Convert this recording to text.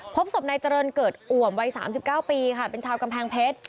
พบศพนายเจริญเกิดอ่วมวัย๓๙ปีค่ะเป็นชาวกำแพงเพชร